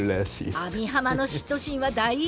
網浜の嫉妬心は大炎上。